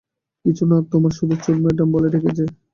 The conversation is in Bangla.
কিছু না, তোমাকে শুধু চোর ম্যাডাম বলে ডেকেছে!